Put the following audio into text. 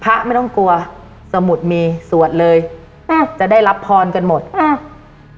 พระไม่ต้องกลัวสมุดมีสวดเลยอ่าจะได้รับพรกันหมดอ่า